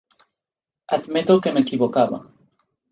Admeto que m'equivocava.